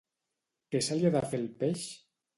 Què se li ha de fer al peix?